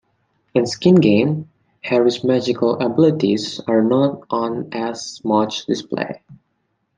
In "Skin Game", Harry's magical abilities are not on as much display.